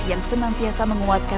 yang senantiasa membuat kita berpikir